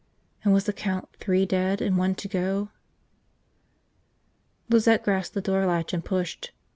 And was the count three dead and one to go? Lizette grasped the door latch and pushed.